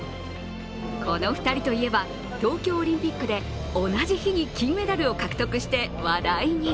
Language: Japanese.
この２人といえば、東京オリンピックで同じ日に金メダルを獲得して話題に。